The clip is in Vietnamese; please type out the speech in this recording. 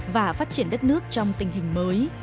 và phát triển đất nước trong tình hình mới